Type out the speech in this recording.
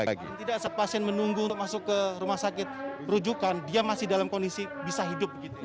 jadi saat sepasien menunggu masuk ke rumah sakit rujukan dia masih dalam kondisi bisa hidup begitu